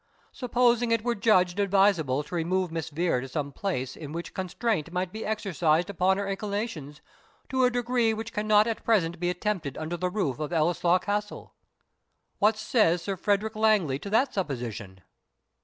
Supposing it were judged advisable to remove Miss Vere to some place in which constraint might be exercised upon her inclinations to a degree which cannot at present be attempted under the roof of Ellieslaw Castle What says Sir Frederick Langley to that supposition?"